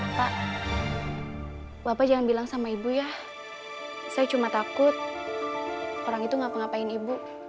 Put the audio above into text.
bapak bapak jangan bilang sama ibu ya saya cuma takut orang itu ngapa ngapain ibu